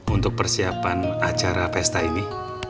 untuk persiapan acara pesta ini